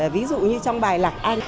ví dụ như trong bài lạc anh